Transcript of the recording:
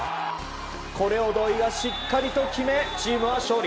これを土井がしっかり決めチームは勝利。